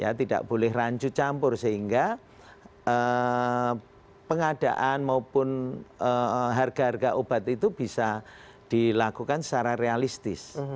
ya tidak boleh rancu campur sehingga pengadaan maupun harga harga obat itu bisa dilakukan secara realistis